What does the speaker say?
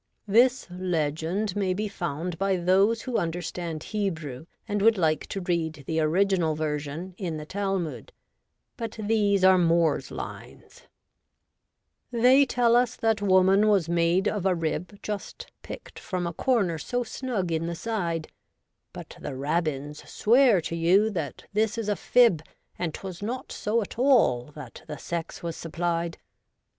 This legend may be found by those who understand Hebrew, and would like to read the original version, in the Talmud ; but these are Moore's lines —' They tell us that woman was made of a rib Just picked from a corner so snug in the side ; But the Rabbins swear to you that this is a fib, And 'twas not so at all that the sex was supplied.